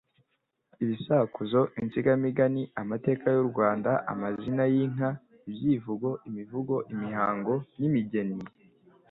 ibisakuzo, insigamigani, amateka y'u Rwanda, amazina y'inka, ibyivugo, imivugo, imihango n'imigeni